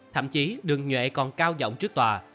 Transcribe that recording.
thậm chí đường nghệ còn cao giọng trước tòa